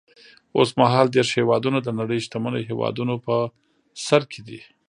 اوس مهال دېرش هېوادونه د نړۍ شتمنو هېوادونو په سر کې دي.